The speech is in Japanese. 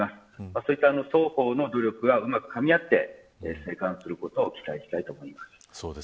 そういった双方の努力がうまくかみ合って生還することを期待したいと思います。